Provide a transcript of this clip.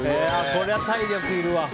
これは体力いるわ。